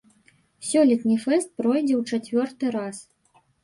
Сёлетні фэст пройдзе ў чацвёрты раз.